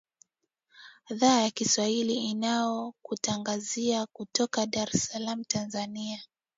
dhaa ya kiswahili inayokutangazia kutoka dar es salam tanzania